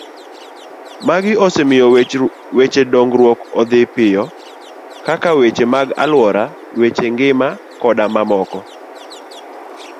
Magi osemiyo weche dongruok odhi piyo, kaka weche mag aluora, weche ngima koda mamoko.